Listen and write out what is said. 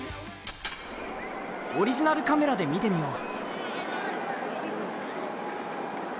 オリジナルカメラで見てみよう。